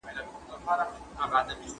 د عوامو مجلس څه شی دی؟